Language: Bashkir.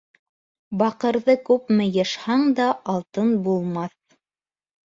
Баҡырҙы күпме йышһаң да алтын булмаҫ